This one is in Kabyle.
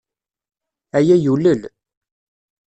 Aya yulel.